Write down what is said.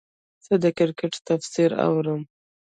زه د کرکټ تفسیر اورم.